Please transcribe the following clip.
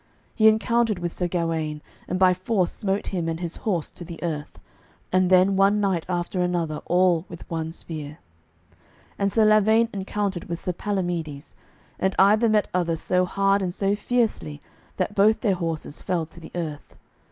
He encountered with Sir Gawaine, and by force smote him and his horse to the earth, and then one knight after another all with one spear. And Sir Lavaine encountered with Sir Palamides, and either met other so hard and so fiercely that both their horses fell to the earth.